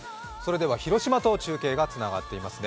広島と中継がつながっていますね。